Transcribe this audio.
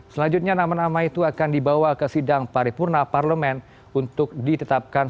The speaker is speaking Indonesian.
selanjutnya nama nama itu akan dibawa ke sidang paripurna parlemen untuk ditetapkan